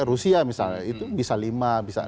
rusia misalnya itu bisa lima bisa